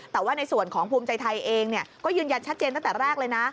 แต่ว่าในส่วนของภูมิใจไทยเองก็ยืนยันชัดเจนตั้งแต่แรกเลยนะ